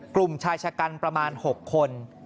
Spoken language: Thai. กลุ่มชายชะกันประมาณ๖คน